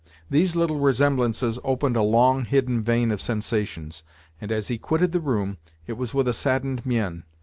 These little resemblances opened a long hidden vein of sensations; and as he quitted the room, it was with a saddened mien.